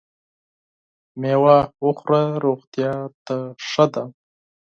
مېوه وخوره ! روغتیا ته ښه ده .